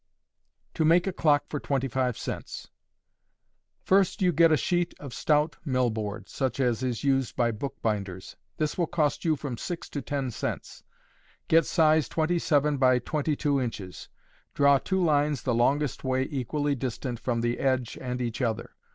To make a Clock for 25 Cents. First you get a sheet of stout millboard, such as is used by bookbinders. This will cost you from six to ten cents. Get size twenty seven by twenty two inches. Draw two lines the longest way equally distant from the edge and each other.